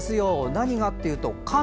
何がというと、亀。